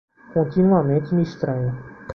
Continuamente me estranho.